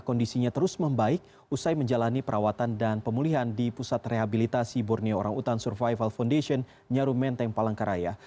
kondisinya terus membaik usai menjalani perawatan dan pemulihan di pusat rehabilitasi borneo orang utan survival foundation nyaru menteng palangkaraya